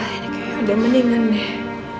ini kayaknya udah mendingan deh